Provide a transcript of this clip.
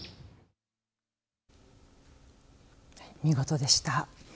見事でした。